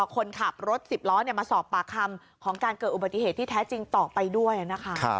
คนขับรถ๑๐ล้อมาสอบปากคำของการเกิดอุบัติเหตุที่แท้จริงต่อไปด้วยนะคะ